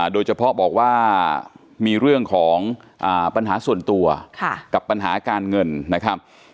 โดยเฉพาะบอกว่ามีเรื่องของปัญหาส่วนตัวกับปัญหาการเงินนะครับ